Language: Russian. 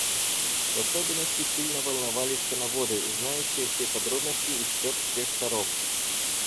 В особенности сильно волновались коноводы, знающие все подробности и счет всех шаров.